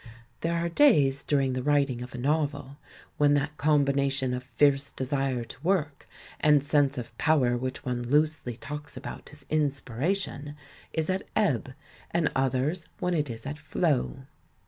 There are days during the xii INTRODUCTION writing of a novel when that combination of fierce desire to work and sense of power which one loosely talks about as "inspiration," is at ebb, and others when it is at flow.